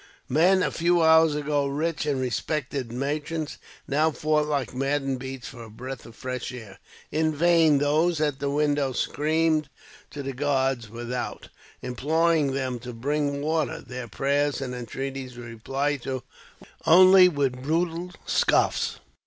Men, a few hours ago rich and respected merchants, now fought like maddened beasts for a breath of fresh air. In vain, those at the window screamed to the guards without, imploring them to bring water. Their prayers and entreaties were replied to only with brutal scoffs.